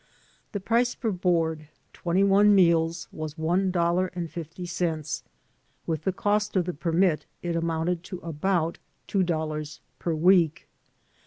The price for board, twenty one meals, was one dollar and fifty cents; with the cost of the permit it amounted to about two dollars per week.